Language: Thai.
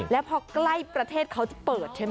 แล้วพอใกล้ประเทศเขาจะเปิดใช่ไหม